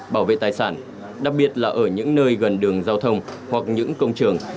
bảo vệ tài sản đặc biệt là ở những nơi gần đường giao thông hoặc những công trường